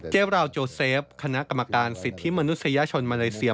ราวโจเซฟคณะกรรมการสิทธิมนุษยชนมาเลเซีย